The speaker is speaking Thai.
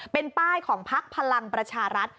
เป็นป้ายของพักพลังประชารัฐ